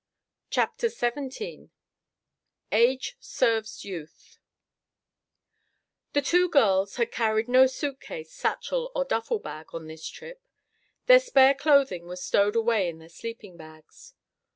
CHAPTER XVII AGE SERVES YOUTH The two girls had carried no suit case, satchel or duffel bag on this trip. Their spare clothing was stowed away in their sleeping bags.